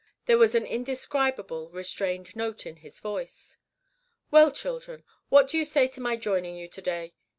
There was an indescribable, restrained note in his voice. "Well, children, what do you say to my joining you to day?"